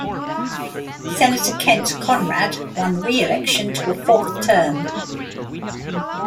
Senator Kent Conrad won re-election to a fourth term.